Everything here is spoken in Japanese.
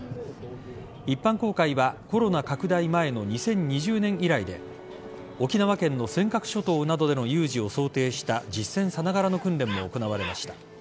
一般公開はコロナ拡大前の２０２０年以来で沖縄県の尖閣諸島などでの有事を想定した実戦さながらの訓練も行われました。